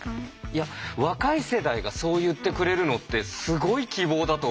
いや若い世代がそう言ってくれるのってすごい希望だと思うのよ。